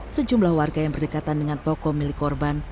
sejumlah warga yang berdekatan dengan toko milik korban